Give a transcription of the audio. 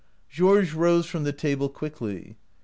" Georges rose from the table quickly.